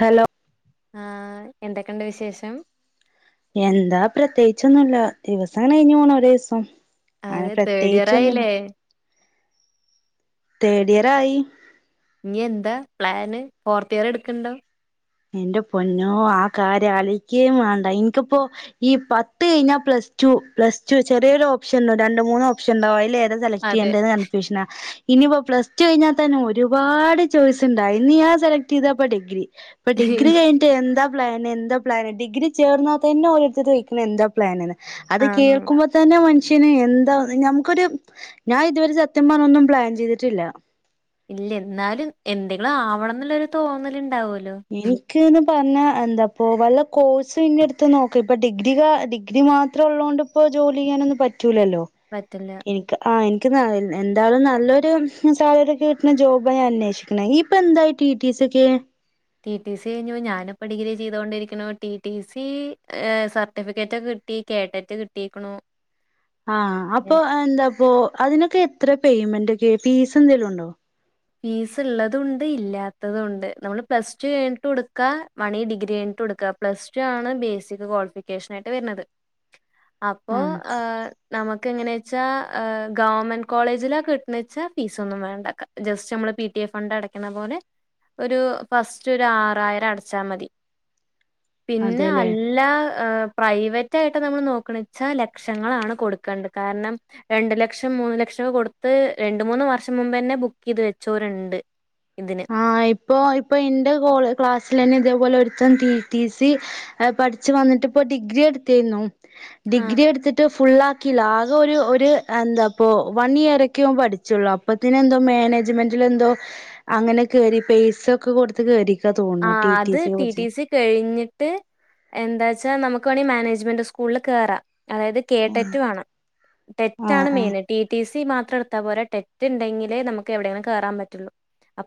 Hello ആ എന്തൊക്കുണ്ട് വിശേഷം. എന്താ പ്രത്യേകിച്ചൊന്നുല്ല ദിവസം അങ്ങനെ കഴിഞ്ഞ് പോണ് ഒരേ ദിവസം അങ്ങനെ അതെ തേർഡ് ഇയർ പ്രത്യേകിച്ചൊന്നുല്ല ആയില്ലേ തേടിയറായി. ഇനി എന്താ പ്ലാന് ഫോർത്ത് ഇയർ എടുക്കണ്ടോ. എന്റെ പൊന്നോ ആ കാര്യം ആലോയിക്കെ വേണ്ട എനിക്കിപ്പോ ഈ പത്ത് കഴിഞ്ഞാ പ്ലസ് ടു പ്ലസ് ടു ചെറിയൊരു ഓപ്ഷൻ ഉഉള്ളത് രണ്ട് മൂന്ന് ഓപ്ഷൻ ഉണ്ടാവും അയില് [unintelligible] സെലക്ട് അതെ ചെയ്യണ്ടത് കൺഫ്യൂഷന ഇനിയിപ്പോ പ്ലസ് ടു കഴിഞ്ഞാൽ തന്നെ ഒരുപാട് ചോയ്സ് ഉണ്ട് അയിന്ന് ഞാൻ സെലക്ട് ചെയ്തപ്പോ ഡിഗ്രി ഇപ്പൊ ഡിഗ്രി കഴിഞ്ഞട്ട് എന്താ പ്ലാാന് എന്താ പ്ലാന് ഡിഗ്രി ചേർന്നാ തന്നെ ഓരോരുത്തര് ചോയിക്ക് ണ് എന്താ പ്ലാന്ന്ന് അത് ആഹ് കേൾക്കുമ്പോ തന്നെ മനു പക്ഷന്ഇനി എന്താ നമക്കൊരു ഞാൻ ഇതുവരെ സത്യം പറഞ്ഞൊ ഒന്നും പ്ലാൻ ചെയ്തിട്ടില്ല ഇല്ല എന്നാലും എന്തെങ്കിലും ആവണം എന്നുള്ളരു തോന്നല് ഉണ്ടാവോലോ എനിക്ക്ങ്ങനെ പറഞ്ഞാ എന്താപ്പോ വല്ല കോഴ്സും ഇങ്ങെ അടുത്ത് നോക്കി ഇപ്പോൾ ഡിഗ്രി [unintelligible] ഡിഗ്രി മാത്രം ഉള്ളോണ്ട്പ്പോ ജോലി ചെയ്യാനൊന്നും പ [unintelligible] ലല്ലോ പറ്റില്ല എനിക്ക് ആ [unintelligible] എന്താലും നല്ലൊരു സാലറിഒക്കെ കിട്ടുന്ന ജോബ് ഞാൻ അന്വേഷിക്കണെ ഈ ഇപ്പൊ എന്തായി ടി ടി സി ഒക്കെ ക ടി ടി സി കഴിഞ്ഞു ഞാനിപ്പ ഡിഗ്രി ചെയ്തോണ്ടിരിക്ക്ണു ടി ടി സി ഏ സർട്ടിഫിക്കറ്റ് ഒക്കെ കിട്ടി കേടറ്റ് കിട്ടീക്ണോ. ആ അപ്പൊ അഹ് എന്താപ്പോ. അതിനൊക്കെ എത്ര പേയ്മെന്റ്ൊക്കെ പീസ് എന്തെങ്കലും ഉണ്ടോ ഫീസ് ഉള്ളതും ഉണ്ട് ഇല്ലാത്തതും ഉണ്ട് നമ്മള് പ്ലസ് ടു കഴിഞ്ഞിട്ട് കൊടുക്കാ മണി ഡിഗ്രി കഴിഞ്ഞിട്ട് കൊടുക്ക പ്ലസ് ടു ആണ് ബേസിക് ക്വാളിഫിക്കേഷൻ ആയിട്ട് വരുന്നത് അപ്പോൊ ആ നമുക്ക് എങ്ങനെ ഹ് ഗവൺമെന്റ് കോളേജിലൊക്ക കിട്ടുന്ന വച്ചാൽ ഫീസ ഒന്നും വേണ്ടാക്ക ജസ്റ്റ് നമ്മള് പി ടി എഫ് ഫണ്ട് അടക്കുന്ന പോലെ ഒരു ഫസ്റ്റ് ഒരു ആറായിരം അടച്ചാ മതി പിന്നെ അതെല്ലേ അല്ല ഹ പ്രൈവറ്റ് ആായിട്ട് നമ്മൾ നോക്കണ വെച്ചാൽ ലക്ഷങ്ങളാണ് കൊടുക്കേണ്ടത് കാരണം രണ്ട് ലക്ഷം മൂന്ന് ലക്ഷംൊക്കെ കൊടുത്ത് രണ്ട് മൂന്ന് വർഷം മുുമ്പ് തന്നെ ബുക്ക് ഇത് വെച്ചോരുണ്ട് ആഹ് ഇപ്പൊ ഇപ്പൊ എന്റെ ക്ലാസ്സിൽ തന്നെ ഇത പലെ ഒരുത്തം ടി സി പഠിച്ചു വന്നിട്ട്പ്പോ ഡിഗ്രി എടുത്തിരുന്നു ആഹ് ഡിഗ്രി എടുത്തിട്ട് ഫുൾ ആാക്കി ലാസ് ഒരു ഒരു എന്താപ്പൊ വൺ ഇയർ ഒക്കെൻ പഠിച്ചുള്ളു അപ്പത്തിന എന്തോ മാനേജ്മെന്റൽ എന്തോ അങ്ങനെ കയറി പേസ ഒക്കെ കൊടുത്തത്ത് കേയറി ആ അത് ടി ടി സി കഴിഞ്ഞിട്ട് എന്താച്ചാ നമുക്ക് ക്കണി മാനേജ്മെന്റ് സ്കൂളിൽ കേയറാം അതായത് കെ ടെറ്റ് വേണം ടെറ്റ ആഹ് ആണ് ആഹ് മെയിൻ ടി ടി സ സി മാത്രം എത്തൽ പോലെ ടെറ്റ് ഉണ്ടങ്കേ നമുക്ക്വിയെങ്കിലും കേറാൻ പറ്റുള്ളൂ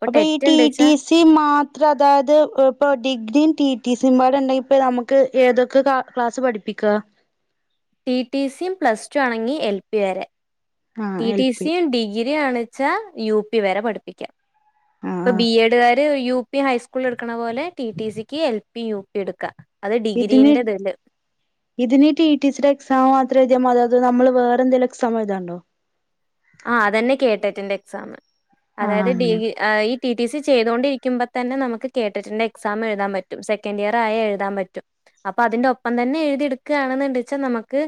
അപ്പൊ ഈ ടെറ്റ് ഉണ്ട് ടിടി വെച്ചാ സി മാത്ര അതായത് ഇപ്പൊ ഡിഗ്രിയും ടി ടി സപാട് ഉണ്ടെങ്കിൽ ഇപ്പ നമുക്ക് ഏതൊക്കെ ക്ലാസ് പഠിപ്പിക്കുക ടിടി സിയും പ്ലസ് ടു അണങ്ങി എൽ പി വരെ ആഹ് എൽ ടി പി സിയും ഡിഗ്രിയ ആണ് ച്ച യു പി വരെ പഠിപ്പിക്കാം ആഹ് ഇപ്പൊ ആഹ് ബി എഡുകാര് യു പി ഹൈസ്കൂൾ എടുക്കണ പോലെ ടി ടി സിക്ക് എൽ പി യു പി എടുക്ക ഇത്നി ഇത്നിിട്ട് ഈ ടീച്ചർ എക്സാാം മാത്ര അത അത് നമ്മള് വേറെ എന്തെങ്കലും എക്സമ ഇതാണ്ടോ ആഹ് അതന്നെ കേട്ടെറ്റന്റെ എക്സാം ആഹ് അതായത്െ അങ്ങനെ ഡഹ് ടി സി ചെയ്തുകണ്ടിരിക്കുമ്പോ തന്നെ നമു കേട്ടിട്ട്ന്റെ എക്സാം എഴുാൻ പറ്റും സെക്കൻഡ് ഇയർ ആയ എഴുതാൻ പറ്റും അപ്പോ അതിൻന്റെ ഒപ്പം തന്നെ എഴുതി എടുക്കുകണുണ്ട വെച്ചാൽ നമുക്ക്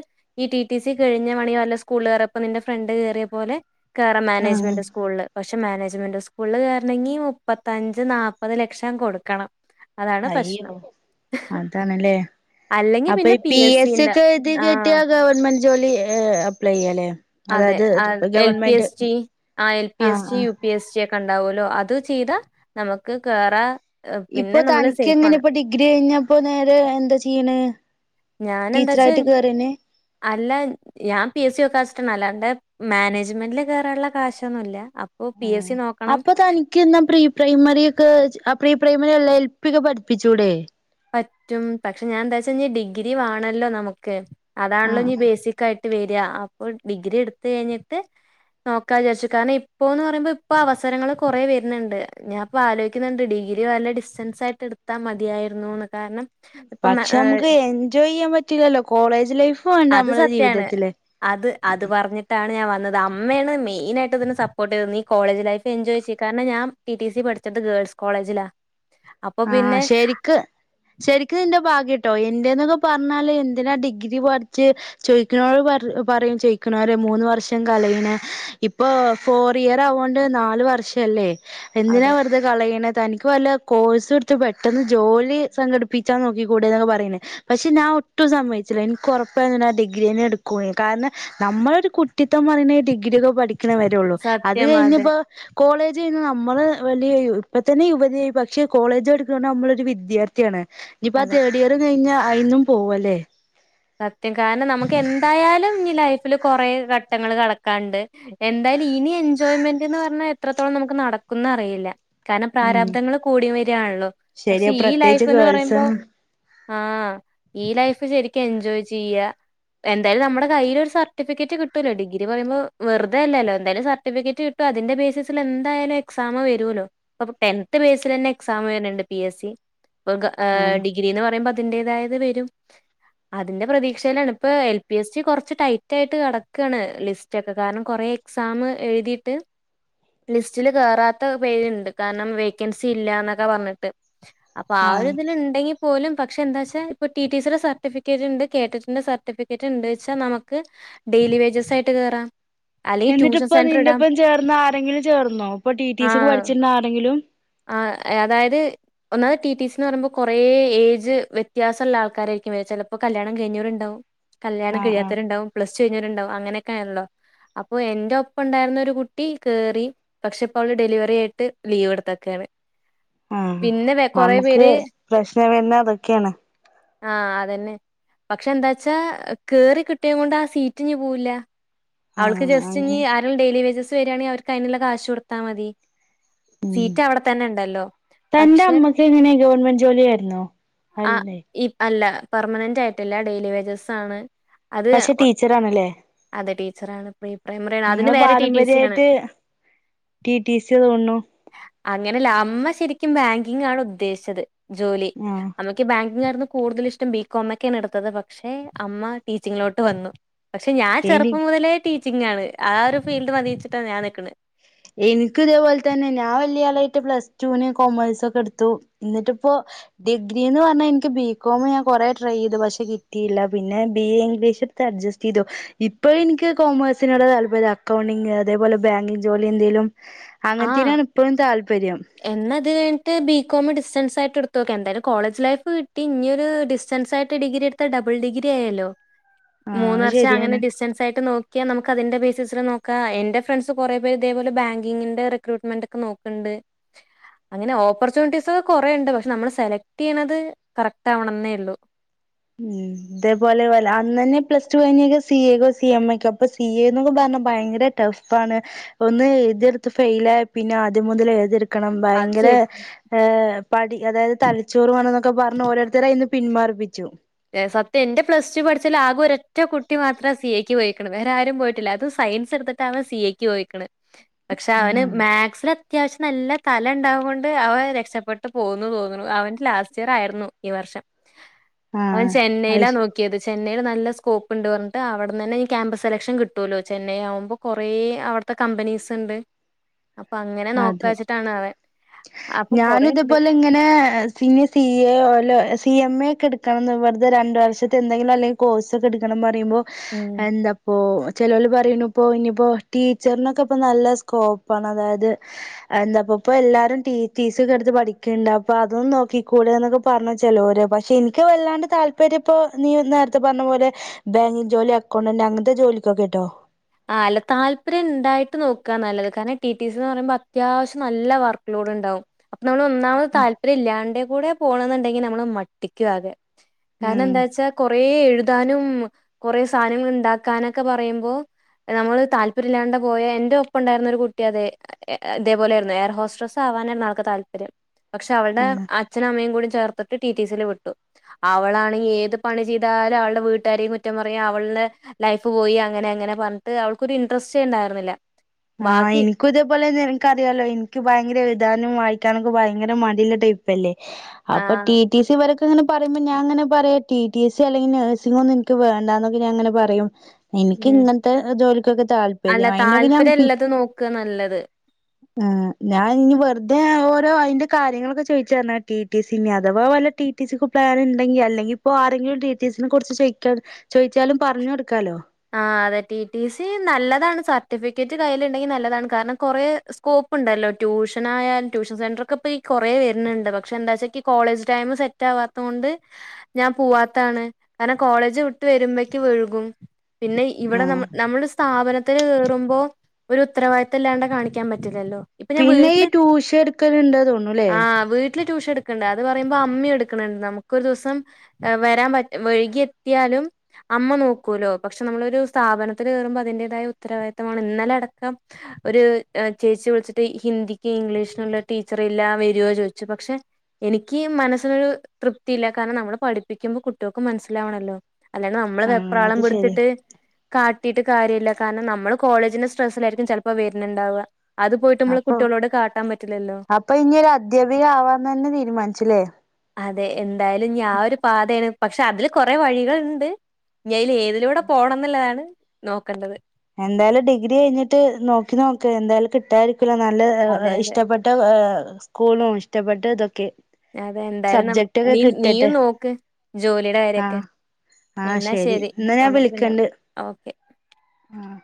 ടി സി കഴിഞ്ഞ മണി വല്ല സ്കൂള്ൾ കറിയപ്പോ നിൻന്റെ ഫ്രണ്ട് കയറിയ പോലെ കറ ആഹ് മാനേജ്മെന്റ് സ്കൂള പക്ഷെ പക്ഷെ മാനേജ്മെന്റ് സ്കൂളിൽ കേറണെങ്കി മുപ്പത്തഞ്ച് നാല്പ്പത് ലക്ഷം കൊടുക്കണം അതാണ് അയ്യോ പ്രശ്നം അതണല്ലേ അല്ലെങ്കിൽ പിന്നെ അപ്പൊ പി എസ് സി സിന്റെ ഒക്കെ ഇത് ആ കേട്ടിയ ഗവൺമെന്റ് ജോലി അപ്ലൈ ചെയ്യല്ലേ അതെ എൽ പി എസ്റ്റി ആ എൽ പി ആഹ് എസ് ി ആഹ് യു പി എസ്റ്റി ഒക്കെ ഉണ്ടാവുമല്ലോ അ അത് ചെയ്താ നമുക്ക് കേറ ഇപ്പൊ തനിക്ക് എങ്ങനെ ഇപ്പൊഡിഗ്രി കഴിഞ്ഞ പ്പോ ന്നേരെ എന്താ ചിയ്യ്ണ്? ഞാനെന്താച്ചാ അല്ല ഞാൻ പി എസ് സി യോ കാസ്റ്റൻ അല്ല. ടെ മാനേജ്മെന്റില് കേയറാനുള്ള കാശൊന്നുല്ല. ആഹ് അപ്പോ തനിക്ക്ന്നാ പ്രീ പ്രൈമെറി ഒക്കെജ് അപ്പ് പ്രീ പ്രൈമറി അല്ല. ഏൽ പി ഒക്കെ പഠിപ്പിച്ചൂടെ? പറ്റും പക്ഷെ ഞാൻഎന്താച്ച ഇഞ്ഞി ഡിഗ്രി വാണല്ലോ ന്നമുക്ക് അതാണല്ലോ ആഹ് ഞ്ഞി ബേസിക്കായി ട്ട് വെരാ അപ്പോ ഡിഗ്രി എടുത്തകഴിഞ്ഞിട്ട് നോക്കാ വിചോരിച്ചു കാരണം ഇപ്പോന്ന് പറയുമ്പോ ഇപ്പോ അവസരങ്ങൾ കൊറെവെര്ന്ണ്ട് ഞാൻ ഇപ്പോ ആലോചിക്കുന്നുണ്ട് ഡിഗ്രി വല്ല ഡിസ്റ്റൻസ് ആയിട്ട് എടുത്താമതിയായ് ന്നൂന്ന് പക്ഷേ ഞമ്മക്ക് എൻജോയ്യ്യാൻ പറ്റില്ലല്ലോ കോളേജ് ലൈഫും വേണ്ടേ അത് നമ്മടെ സത്യാണ് ജീവിതത്തില്? അത് അത് പറഞ്ഞിട്ടാണ് ഞാൻ അമ്മയാണ് മെയിനായിട്ട് ഇതിന് സപ്പോർട്ട് ചെയ്യ്ത്തന്നത് ഈ കോളേജ് ലൈഫ് എൻജോയ് ചെയ്യ്കാരണം ഞാൻ ടി ടി സി പഠിച്ചത് ഗേൾസ് കോളേജിലാ. അപ്പൊ ആഹ് പിന്നെ ശെരിക്ക് ശരിക്കും നിന്റെ ഭാഗ്യട്ടോ എന്റെറെന്നൊക്കെ പറഞ്ഞാല് എന്തിനാ ഡിഗ്രി പഠിച്ച് ചോയിക്കണോര് പറ പറയും ചോദിക്കണവരെ മൂന്ന് വർഷം കലയണ് ഇപ്പൊ ഫോർ ഇയർ ആവോണ്ട് നാല് വർഷഅല്ലേ എന്തിനാ അതെ വെറുതെ കളയിണ്? തനിക്ക് വല്ലകോഴ്സ് ടുത്ത് പെട്ടെന്ന് ജോലി സംഘടിപ്പിച്ചാൻ നോക്കി കൂടെന്നൊക്കെ പറയണ്. പക്ഷേ ഞാൻ ഒട്ടും സമ്മയിച്ചില്ല എനിക്ക് ഉറപ്പായിരുന്നു ഞാൻ ഡിഗ്രിന്നെ എടുക്കുന്ന്. കാരണം നമ്മള് ഒരു കുട്ടിത്തം പറയുന്ന ഈ ഡിഗ്രിയൊക്കെ പഠിക് ക്ക്ണേ വെരോള്ളൂ അത് സത്യം അതെ കഴിഞ്ഞ്പ്പോ കോളേജ് കയ്ഞ്ഞാ നമ്മള് വല്യ യു ഇപ്പതന്നെ യുവതിയായി പക്ഷേ കോളേജ് പടിക്ക്ണോണ്ട് അമ്മളൊരു വിദ്യാർത്ഥിയാണ്. ഞ്ഞിപ്പോ ആ അതെ തേഡ് ഇയറ് കയ്ഞ്ഞാ അയിന്നും പോവല്ലേ സത്യം കാരണം നമുക്ക് എന്തായാലും ഇനി ലൈ ഫില് കൊറേ ഘട്ടങ്ങള് കടക്കാണ്ട് എന്തായാലും ഇനി എൻജോയ്മെന്റ് എന്ന് പറഞ്ഞാ എത്രത്തോളം നമുക്ക് നടക്കും ന്ന് അറിയില്ല കാരണം ഉം പ്രാരാബ്ദങ്ങള് കൂടി വരിയാണല്ലോ പക്ഷെ ശരിയാ ഈ പ്രത്യേകിച്ച് ലൈഫ് എന്ന് ഗേൾസ് പറയുമ്പോ ആഹ് ഈ ലൈഫ് ശരി എൻജോയ് ചെയ്യാ എന്തായാലും നമ്മുടെ കയ്യിലൊരു സർട്ടിഫിക്കറ്റ് കിട്ടൊല്ലോ ഡിഗ്രി പറയുമ്പോ വെറുതെ അല്ലല്ലോ എന്തായാലും സർട്ടിഫിക്കറ്റ് കിട്ടും അതിന്റെ ബേസിൽ എന്തായാലും എക്സാം വരുല്ലോ ഇപ്പം ടെൻന്ത്‌ ബേസിൽ തന്നെ എക്സാം വരുന്നുണ്ട് പി എസ് സി ആഹ് ഡിഗ്രിന്ന് പറയുമ്പം അതിന്റെതായത് വരും അതിന്റെ പ്രതീക്ഷയിലാണ് ഇപ്പൊ എൽ പി എസ് റ്റി കൊറച്ച് ടൈറ്റ് ആയിട്ട് കെടകാണ് ലിസ്റ്റ് ഒക്കെ കാരണം കൊറെ എക്സാം എഴുതിയിട്ട് ലിസ്റ്റില് കേറാത്ത പേരുണ്ട് കാരണം വേക്കൻസി ഇല്ലാന്നൊക്കെ പറഞ്ഞിട്ട് അപ്പൊ ആ ആഹ് ഒരു ഇതില് ഇണ്ടെങ്കി പോലും പക്ഷെ എന്താച്ചാ ഇപ്പൊ ടി ടി സി ടെ സർ സർട്ടിഫിക്കറ്റ്ണ്ട് കേറ്ററ്റ് ൻ്റെ സർട്ടിഫിക്കറ്റ്ണ്ട്ച്ചാ നമുക്ക് ഡെയിലി വേജസ് ആയിട്ട് കേറാം അല്ലെങ്കിൽ ട്യൂഷൻ എന്നിട്ടിപ്പ സെന്റർ ഇടാം നിന്റെപ്പം ചേർന്ന ആരെങ്കിലും ചേർന്നോ ഇപ്പൊ ടി ടി സിക്ക് ആഹ് പഠിച്ചിരുന്ന ആരെങ്കിലും? ഒന്നാത് ടി ടി സിന്ന് പറയുമ്പോ കൊറേ ഏജ് വ്യത്യാസഉള്ള ആൾക്കാരാ ചിലപ്പോ കല്യാണം കഴിഞ്ഞോര് ണ്ടാവും കല്യാണം ആഹ് ആഹ് കഴിയാത്തവരുണ്ടാകും പ്ലസ് ട്ട് കഴിഞ്ഞവരുണ്ടാകും അങ്ങനെയൊക്കെ ആൺല്ലോ അപ്പൊ എന്റെ ഒപ്പം ഉണ്ടായിരുന്ന ഒരു കുട്ടി കേറി പക്ഷെ ഇപ്പം അവള് ഡെലിവറി ആയിട്ട് ലീവ് എടുത്തെക്കയാണ് ആഹ്, നമുക്ക് പ്രശ്നം വെരന്നെ അതൊക്കെണ്. ആ അതന്നെ പക്ഷെ എന്താച്ചാ കേറി കിട്ടിയ കൊണ്ട് ആ സീറ്റ് ഇനി പോവൂല്ല അവൾക്ക് ആഹ് ജസ്റ്റ് ഇനി അങ്ങനെ ആരും ഡെയിലി വേജസ്. വരിയാണെ അവർക്ക് അതിനുള്ള കാശ് കൊടുത്താ മതി മ് സീറ്റ് അവിടെ തന്നെ ഉണ്ടല്ലോ തന്റെ പക്ഷെ അമ്മക്ക് എങ്ങനെ ഗവൺമെന്റ് ജോലിയാരുന്നോ ആ അല്ലേ ഇ അല്ല പെർമനന്റായിട്ടല്ലാ ഡെയിലി വേജസ് ആണ് അത് പക്ഷെ ഒ- ടീച്ചർ ആണല്ലേ അതെ ടീച്ചറാണ് പ്രീ പ്രൈമറി ആണ് അതിന് നിങ്ങള് വേറെ ടി ടി സി ആണ് പാരമ്പര്യയായിട്ട് ടിടി സി തോനുണു അങ്ങനെയല്ല അമ്മ ശരിക്കും ബാങ്കിങ് ആണ് ഉദ്ദേശിച്ചത് ജോലി ആഹ് അമ്മയ്ക്ക് ബാ ആരുന്നു കൂടുതൽ ഇഷ്ടം ബീകോമൊക്കെ ആണ് എടുത്തത് പക്ഷെ അമ്മ ടീച്ചിങ്ങിലോട്ട് വന്നു പക്ഷെ ഞാൻ എനി ചെറുപ്പം മുതലേ ടീച്ചിങ് ആണ് ആ ഒരു ഫീൽഡ് മതിച്ചിട്ടാണ് ഞാൻ നിക്കണ് എന്ക്ക് ഇതേപോലെ തന്നെ ഞാൻ വലിയ ആളായിട്ട് പ്ലസ് ടു വിനു കോമേഴ്സൊക്കെ എടുത്തു എന്നിട്ടിപ്പോ ഡിഗ്രി എന്ന് പറഞ്ഞാ എനിക്ക് ബീകോം ഞാൻ കൊറേ ട്രൈ ചെയ്തു പക്ഷെ കിട്ടിയില്ല പിന്നെ ബി എ ഇംഗ്ലീഷ് എടുത്ത് അഡ്ജസ്റ്റ് ചെയ്തു ഇപ്പ എനിക്ക് കോമേഴ്സിനോടാ താല്പര്യം അക്കൗണ്ടിംഗ് അതേപോലെ ബാങ്കിങ് ജോലി എന്തേലും ആഹ് അങ്ങനത്തേനാണ് ഇപ്പഴും താല്പര്യം എന്നത് കഴിഞ്ഞിട്ട് ബികോം ഡിസ്റ്റൻസ് ആയിട്ട് എടുത്ത് നോക്ക് എന്തായാലും കോളജ് ലൈഫ് കിട്ടി ഇഞ്ഞോര് ഡിസ്റ്റൻസ് ആയിട്ട് ഡിഗ്രി എടുത്ത ഡബിൾ ഡിഗ്രി ആയാല്ലോ ആ മൂന്ന് അത് വർഷം അങ്ങനെ ശരിയാണ് ഡിസ്റ്റൻസ് ആയിട്ട് നോക്കിയാ നമുക്ക് അതിന്റെ ബേസിസില് നോക്കാ എന്റെ ഫ്രണ്ട്സ് കൊറേ പേര് ഇതേപോലെ ബാങ്കിങ്കി വി റിക്രൂ്മെന് ഒക്കെ നോക്കണ്ട് അങ്ങനെ ഓപ്പർച്യൂണിറ്റീസ് ഒക്കെ കൊറുണ്ട് പക്ഷെ നമ്മൾ സെലക്ട് ചെയ്യുന്നത് കറക്റ്റ് ആവണെന്നേ ഉള്ളു ഉം അതേപോലെ അന്ന് തന്നെ പ്ലസ് ടു കഴിഞ്ഞക്കെ സി എക്കോ സി എം ക്കോ അപ്പൊ സി എ എന്നൊക്കെ പറഞ്ഞ ഭയങ്കര ടഫ് ആണ് ഒന്ന് ഏതെടുത്ത് ഫെൽ ആഹ് പിന്നെ ആദ്യം മുതൽ ഏതടു ണം അത് ഭയങ്കര് ശരി പടി അതായത് തലിച്ചോറ് വേണം എന്നൊക്കെ പറഞ്ഞ് ഓരോരുത്തര ഇ പിന്മാറിപ്പിച്ചു സത്യം എന്റെ പ്ലസ് ടു പഠിച്ചാൽ ആകെ ഒറ്റ കുട്ടി മാത്ര സി എക്ക് പോയിക്കണ് വേറെ ആരും പോയിട്ടില്ല അത് സയൻസ് എടുത്തിട്ട് ആണ് സി എക്ക് പോയിക്കണ് പക്ഷെ അവന് ആഹ് മാക്സിലെ അത്യാവശ്യം നല്ല തല ഉണ്ടാവുക കൊണ്ട് അവൻ രക്ഷപ്പെട്ട് പോകന്ന് തോന്നുന്നു അവന്റെ ലാസ്റ്റ് ഇയർ ആയിരുന്നു ഈ വർഷം അവൻ ആഹ് ചെന്നൈയിലാ അയ്ശ് നോക്കിയത് ചെന്നൈയുടെ നല്ല സ്കോപ്പ് ഉണ്ട് പറഞ്ഞിട്ട് അവിടെ തന്നെ ഇനി ക്യാമ്പസ് സെലക്ഷൻ കിട്ടുവല്ലോ ചെന്നൈ ആവുമ്പോൾ കുറേ അവിടുത്തെ കമ്പനീസ് ഉണ്ട് അപ്പൊ അങ്ങനെ അതെ നോക്കാച്ചിട്ടാണ് അവൻ അപ്പൊ ഞാനും കൊറേ ഉണ്ട് ഇതേപോലെ ഇങ്ങനെ സി എ [unintelligible] [unintelligible] എം എ ഒക്കെ എടുക്കണ എന്ന് പറഞ്ഞത് രണ്ട് വർഷത്തെന്തങ്കിലും അല്ലെങ്ക കോഴ്സ്ക്ക എടുക്കണം പറയുമ്പോ ഉം എന്തപ്പോ ചെലോല് പറയുന്നു ഇപ്പോ ഇനിയിപ്പോ ടീച്ചറിനൊക്കെ ഇപ്പ നല്ല സ്കോപ്പാണ് അതായത് എന്താപ്പ ഇപ്പോൊ എല്ലാരും ടീ ടി സീ ഒക്കെ എടുത്ത് പഠിക്കണ്ട് അപ്പൊ അതൊന്നന്ന് നോക്കി കൂടെ എന്നൊക്കെ പറഞ്ഞ ചെലോരോ പക്ഷെ എനിക്ക് വല്ലാണ്ട് താല്പര്യം ഇപ്പൊ നീ നേരത്തെ പറഞ്ഞ പോോലെ ബാങ്കി ജോലി അക്കൗണ്ടറ് അങ്ങനത്തെ ജോലിക്കൊക്കെ കേട്ടോ ആ അല്ല താല്പര്യം ഉണ്ടായിട്ട് നോക്കാ നല്ലത് കാരണം ടി ടി സിന്ന് പറയുമ്പോ അത്യാവശ്യം നല്ല വർക്ക് ലോഡ് ഉണ്ടാവും അപ്പൊ നമ്മള ഒന്നാമത് താല്പര്യം ഇല്ലാണ്ട് കൂടെ പോണെന്നുണ്ടെങ്കിൽ നമ്മള് മട്ടിക്കു ആകെ കാരണം ഉം എന്താച്ചാ കൊറെ എഴു താനും കൊറേ സാധനങ്ങൾ ണ്ടാക്കാനൊക്കെ പറയുമ്പോ നമ്മള് താല്പര്യം ഇല്ലാണ്ട് പോയ എന്റെ ഒപ്പം ഉണ്ടായിരുന്ന ഒരു കുട്ടി അതെ ഇതേപോലെയായിരുന്നു എയർ ഹോസ്ട്രസ്സ് ആവാനായിരുന്നു ആൾക്ക് താല്പര്യം പക്ഷെ അവളുടെ ആഹ് അച്ഛും അമ്മയും കൂടി ചേർത്തിട്ട് ടിടിസിയിൽ വിട്ടു അവളാണെങ്കിൽ ഏത് പണി ചെയ്താലും അവളുടെ വീട്ടുകാരും കുറ്റപ്പറയും അവളുടെ ലൈഫ് പോയി അങ്ങനെ അങ്ങനെ. പറഞ്ഞിട്ട് അവൾക്കൊരു ഇന്റെരെസ്റ്റ്‌ ഉണ്ടായിരുന്നില്ല. ആഹ് ബാക്കി എനിക്കും ഇതേപോലെ നിങ്ങൾക്കറിയാലോ എനിക്ക് ഭയങ്കര എഴുതാനും വായി ക്കാനും ഭയങ്കര മടിയുള്ള ടൈപ്പ് അല്ലേ. അപ്പൊ ടി ആഹ് ടി സി വരെ ഇപ്പൊ ഇങ്ങനെ പറയുമ്പോ ഞാൻ അങ്ങനെ പറയും ടി ടി സി അല്ലെങ്കിൽ നഴ്സിംങ്ങൊന്നും എനിക്ക് വേണ്ടന്നൊക്കെ ഞാൻ അങ്ങനെ പറയും. എനിക്ക് ഉം ഇങ്ങനെത്തെ ജോലിയൊക്കെ അല്ല താല്പര്യം അയിനൊക്കെ ഞാൻ. താല്പര്യം ഉള്ളത് നോക്കുക നല്ലത് ആഹ് ഞാൻ ഇനി വെറുതെ ആവോ ഇപ്പൊ അയിന്റെ കാര്യങ്ങളൊക്കെ ചോദിച്ചായിരുന്നോ ടി ടി സി അഥവാ വല്ല ടി ടി സിക്കും [unintelligible] അവിടെ ഉണ്ടെങ്കിൽ അല്ലെങ്കില് ഇപ്പോ ആരെങ്കിലും ടി ടി സിനെ കുറിച്ച് ചോ ചോദിച്ചാലും പറഞ്ഞു കൊടുക്കാലോ. ആ അതെ ടി ടി സി നല്ലതാണ് സർട്ടിഫിക്കറ്റ് കയ്യിലിണ്ടെങ്കിൽ നല്ലതാണ് കാരണം കൊറെ സ്കോപ്പ് ഉണ്ടല്ലോ ട്യൂഷൻ ആയാലും ട്യൂഷൻ സെന്റർ ഒക്കെ ഇപ്പൊ ഈകൊറേ വരുന്നുണ്ട്, പക്ഷെ എനിക്ക് കോളേജ് ടൈം സെറ്റ് ആവാത്ത കൊണ്ട് ഞാൻ പോവാത്താണ് കാരണം കോളേജ് വിട്ട് വരുമ്പക്ക് വൈകും. പിന്നെ ഇവിടെ ന ആഹ് നമ്മുടെ സ്ഥാപന ത്തിൽ കേറുമ്പോ ഒരു ഉത്തരവാദിത്തം ഇല്ലാണ്ട് കാണിക്കാൻ പറ്റില്ലല്ലോ. ഇപ്പൊ ഞാൻ പിന്നെ വീട്ടില് ഈ ട്യൂഷൻ എടുക്കല് ഇണ്ട് തോന്നൂലേ. ആഹ് വീട്ടില് ട്യൂഷൻ എടുക്കോണ്ട് അത് പറയുമ്പോ അമ്മ എടുക്കോണ്ട് നമുക്കൊരു ദിവസം വരാൻ വൈകിയെത്തിയാലും അമ്മ നോക്കൂലോ. പക്ഷെ നമ്മളൊരു സ്ഥാപനത്തിൽ കേറുമ്പോൾ അതിന്റേതായ ഉത്തരവാദിത്തം വേണം ഇന്നലെ അടക്കം ഒരു ചേച്ചി വിളിച്ചിട്ട് ഹിന്ദിക്ക് ഇംഗ്ലീഷിനുള്ള ടീച്ചർ ഇല്ല വരോ ചോദിച്ചു, പക്ഷെ എനിക്ക് മനസ്സിനൊരു തൃപ്തിയില്ല കാരണം നമ്മള് പഠിപ്പിക്കുമ്പോൾ കുട്ടികൾക്കും മനസ്സിലാവണല്ലോ. അല്ല നമ്മള് ആഹ് വെപ്രാളം അത് പി ശരി ത്തിട്ട് കാ ട്ടീട്ട് കാര്യയില്ല കാരണം നമ്മള് കോളേജിന്റെ സ്ട്രെസ്സിലായിരിക്കും ചെലപ്പോ വരുന്നുണ്ടാവുക. അത് പോയിട്ട് നമ്മള് അപ്പൊ കുട്ടികളോട് കാട്ടാൻ പറ്റില്ലല്ലോ അപ്പൊ ഇങ്ങള് അദ്ധ്യാപിക ആവാൻ തന്നെ തീരുമാനിച്ചുല്ലേ. അതെ എ എന്തായാലും ആ ഒരു പാതയാണ്. പക്ഷെ അതില് കൊറേ വഴികളുണ്ട്. ഇവയിൽ ഏതിലൂടെ പോണം ഉള്ളതാണ്. നോക്കണ്ടത് എന്തായാലും ഡിഗ്രി കഴിഞ്ഞിട്ട് നോക്കി നോക്ക് എന്തായാലും കിട്ടാ നല്ല അതെ, അതെ. ഇഷ്ടപ്പെട്ട സ്കൂളും ഇഷ്ടപ്പെട്ട ഇതൊക്കെ അതെ എന്തായാലും നം സബ്ജെക്ട് ഒക്കെ നീ കിട്ടട്ടെ നീയും നോക്ക് ജോലിയുടെ കാര്യൊക്കെ. ആഹ് ആഹ് എന്നാ ശരി ഇന്നാ ഞാൻ നമുക്ക് പിന്നെ വിളിക്കേണ്ട്. ഓക്കെ. ആഹ്